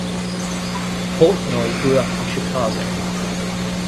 Portnoy grew up in Chicago.